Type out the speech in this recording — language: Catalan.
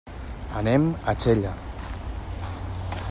Anem a Xella.